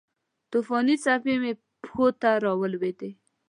توپانې څپې مې پښو ته راولویدې